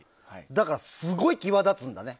だからすごい際立つんだね。